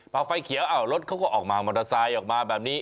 พอไฟเขียวรถเขาก็ออกมามอเตอร์ไซค์ออกมาแบบนี้